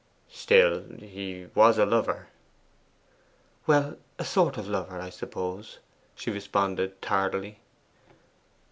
'Still, he was a lover?' 'Well, a sort of lover, I suppose,' she responded tardily.